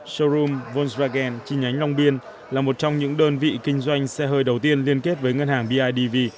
showroom volksragen chi nhánh long biên là một trong những đơn vị kinh doanh xe hơi đầu tiên liên kết với ngân hàng bidv